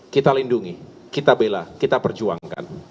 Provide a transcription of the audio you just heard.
kita lindungi kita bela kita perjuangkan